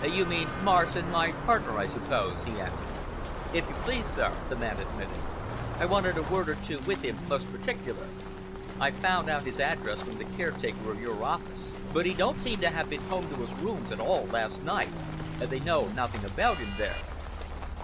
"You mean Morrison—my partner, I suppose?" he answered. "If you please, sir," the man admitted. "I wanted a word or two with him most particular. I found out his address from the caretaker of your office, but he don't seem to have been home to his rooms at all last night, and they know nothing about him there."